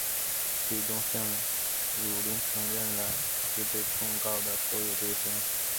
最终向汝霖承认了其被控告的所有罪行。